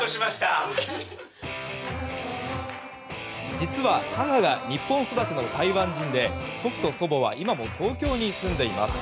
実は母が日本育ちの台湾人で祖父と祖母は今も東京に住んでいます。